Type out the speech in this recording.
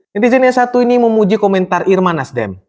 netizen yang satu ini memuji komentar irma nasdem